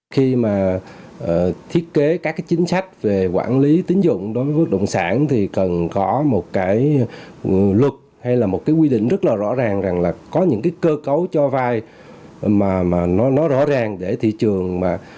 khi mà thiết kế các cái chính sách về quản lý tín dụng đối với bất động sản thì cần có một cái luật hay là một cái quy định rất là rõ ràng rằng là có những cái cơ cấu cho vai mà nó rõ ràng để thị trường mà